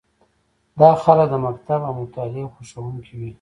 دا خلک د مکتب او مطالعې خوښوونکي وي.